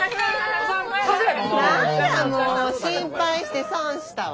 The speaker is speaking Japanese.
何やもう心配して損したわ。